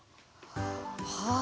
はあ。